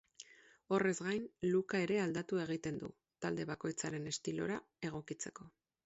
Horrez gain, look-a ere aldatu egiten du, talde bakoitzaren estilora egokitzeko.